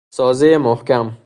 سازهی محکم